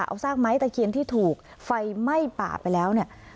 เอาซากไม้ตะเคียนที่ถูกไฟไหม้ป่าไปแล้วเนี่ย